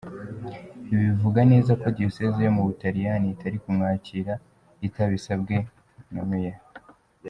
Ibi bivuga neza ko diyoseze yo mu butaliyani itari kumwakira itabisabwe na Myr.